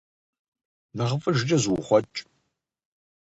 Нэхъыфӏыжкӏэ зуухъуэкӏ.